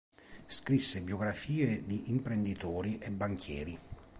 Scrisse biografie di imprenditori e banchieri.